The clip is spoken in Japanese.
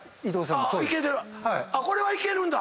これはいけるんだ。